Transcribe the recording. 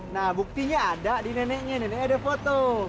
nah buktinya ada di neneknya nenek ada foto